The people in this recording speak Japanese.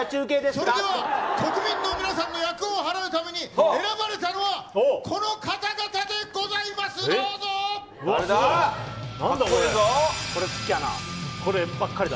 それでは、国民の皆さんの厄を払うために選ばれたのはこの方々でございます、誰だ？